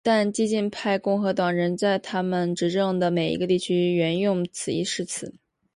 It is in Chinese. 但激进派共和党人仍然在他们执政的每一个地区援用此一誓词。